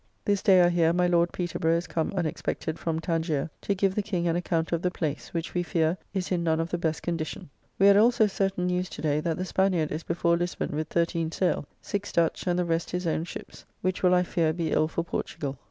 This day, I hear, my Lord Peterborough is come unexpected from Tangier, to give the King an account of the place, which, we fear, is in none of the best condition. We had also certain news to day that the Spaniard is before Lisbon with thirteen sail; six Dutch, and the rest his own ships; which will, I fear, be ill for Portugall.